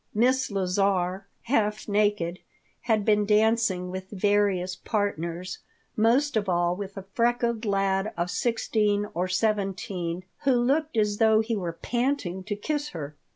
Miss Lazar, half naked, had been dancing with various partners, most of all with a freckled lad of sixteen or seventeen who looked as though he were panting to kiss her.